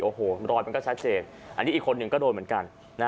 โอ้โหรอยมันก็ชัดเจนอันนี้อีกคนหนึ่งก็โดนเหมือนกัน